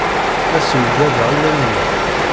La ssewjadeɣ iman-inu.